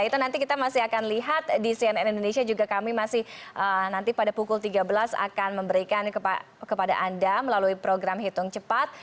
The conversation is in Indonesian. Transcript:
nah itu nanti kita masih akan lihat di cnn indonesia juga kami masih nanti pada pukul tiga belas akan memberikan kepada anda melalui program hitung cepat